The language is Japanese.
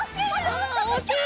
あおしい！